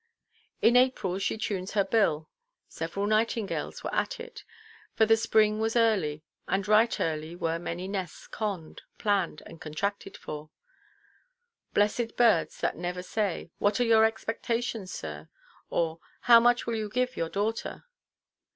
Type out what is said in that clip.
"In April she tunes her bill." Several nightingales were at it, for the spring was early, and right early were many nests conned, planned, and contracted for. Blessed birds, that never say, "What are your expectations, sir?" or "How much will you give your daughter?"